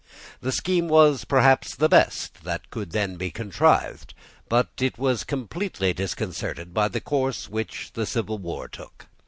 This scheme was, perhaps, the best that could then be contrived: but it was completely disconcerted by the course which the civil war took.